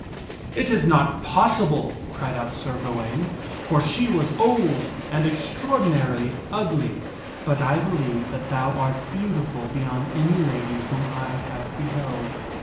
" It is not possible," criecTbut Sir Ga waine, " for she was old and extraordinarily ugly, but I believe that thou art beautiful beyond any lady whom I have beheld."